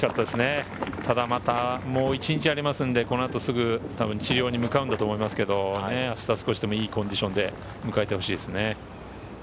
ただもう一日ありますので、この後、すぐ治療に向かうんだと思いますけど、明日は少しでもいいコンディションで迎えてほしいですね。